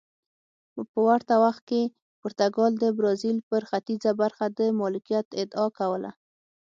په ورته وخت کې پرتګال د برازیل پر ختیځه برخه د مالکیت ادعا کوله.